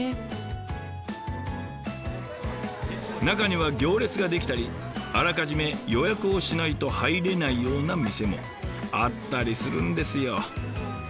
中には行列ができたりあらかじめ予約をしないと入れないような店もあったりするんですよ。